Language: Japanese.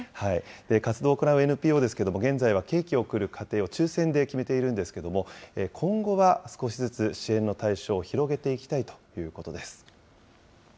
活動を行うＮＰＯですけれども、現在はケーキを贈る家庭を抽せんで決めているんですけれども、今後は少しずつ支援の対象を広げていきたいということです。